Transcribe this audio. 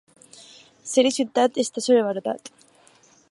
Ser de ciutat està sobrevalorat.